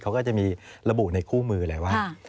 เขาก็จะมีระบุในคู่มือเลยว่า